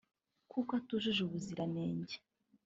kuko atujuje ubuziranenge